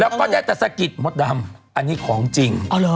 แล้วก็ได้แต่สะกิดมดดำอันนี้ของจริง